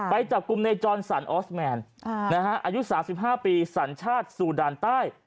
ไปจับกลุ่มในจอนสันออสแมนอายุ๓๕ปีสัญชาติซูดานใต้